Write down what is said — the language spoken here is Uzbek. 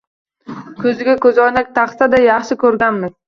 Koʻziga koʻzoynak taqsa-da, yaxshi koʻrganmiz.